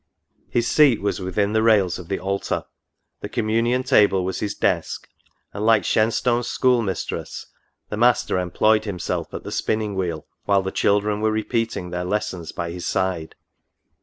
His seat was within the rails of the altar ; the communion table was his desk ; and, like Shenstone's school mistress, the master employed himself at the spinning wheel, while the children were repeating their lessons by his side.